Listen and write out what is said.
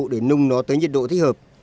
để nung nó tới nhiệt độ thích hợp